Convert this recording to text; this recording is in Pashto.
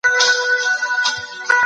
موږ د هغو خلکو څه نه يو